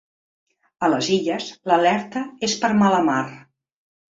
A les Illes l’alerta és per mala mar.